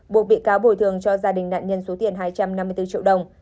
buộc bị cáo bồi thường cho gia đình nạn nhân số tiền hai trăm năm mươi bốn triệu đồng